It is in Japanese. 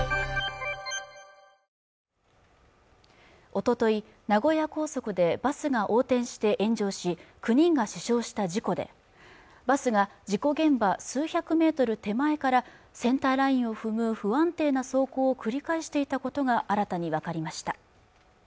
おととい名古屋高速でバスが横転して炎上し９人が死傷した事故でバスが事故現場数百メートル手前からセンターラインを踏む不安定な走行を繰り返していたことが新たに分かりました